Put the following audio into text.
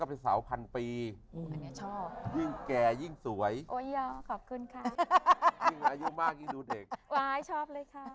ถ้ายังบอกว่าไปจิกยูเป็นโฉด